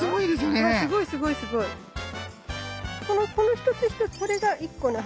この一つ一つこれが一個の花